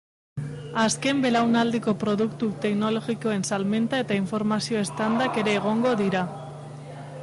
Azken belaunaldiko produktu teknologikoen salmenta eta informazio standak ere egongo dira.